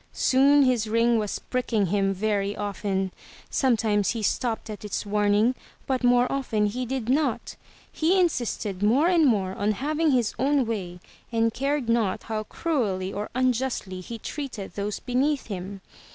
Soon his ring was pricking him very often. Sometimes he stopped at its warning, but more often he did not. He in sisted more and more on having his own way and cared not how cruelly or unjustly he treated those beneath him.